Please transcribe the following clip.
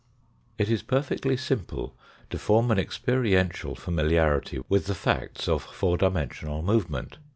It is perfectly simple to form an experiential familiarity with the facts of four dimensional movement.